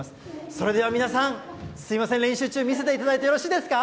それでは皆さん、すみません、練習中、見せていただいてよろしいですか。